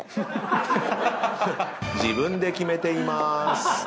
自分で決めていまーす。